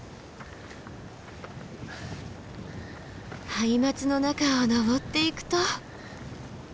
ハイマツの中を登っていくと。